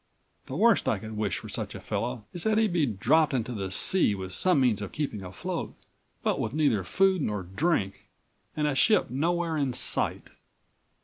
The worst I could wish for such a fellow is that he be dropped into the sea with some means of keeping afloat but with neither food nor drink and a ship nowhere in sight."